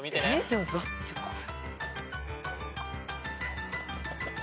でもだってこれ。